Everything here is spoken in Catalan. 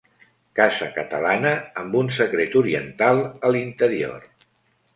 Casa catalana amb un secret oriental a l'interior.